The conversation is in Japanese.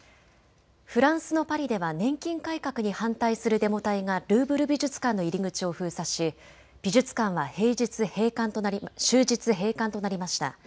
フランスのパリでは年金改革に反対するデモ隊がルーブル美術館の入り口を封鎖し美術館は終日閉館となりました。